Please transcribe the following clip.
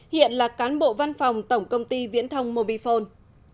hiện là cán bộ văn phòng tổng công ty viễn thông mobifone